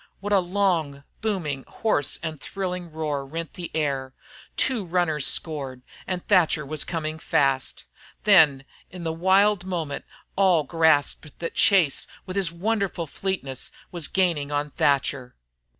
What a long, booming, hoarse and thrilling roar rent the air! Two runners scored, and Thatcher was coming fast. Then in the wild moment all grasped that Chase, with his wonderful fleetness, was gaining on Thatcher.